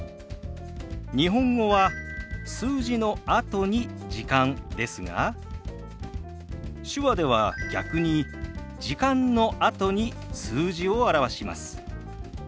日本語は数字のあとに「時間」ですが手話では逆に「時間」のあとに数字を表します。